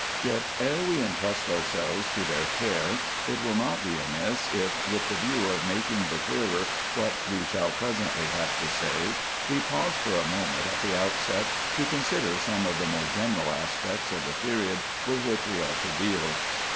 Yet ere we intrust ourselves to their care it will not be amiss if, with the view of making the clearer what we shall presently have to say, we pause for a moment at the outset to consider some of the more general aspects of the period with which we are to deal.